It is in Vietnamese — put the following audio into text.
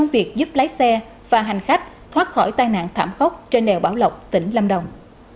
việc giúp lái xe và hành khách thoát khỏi tai nạn thảm khốc trên đèo bảo lộc tỉnh lâm đồng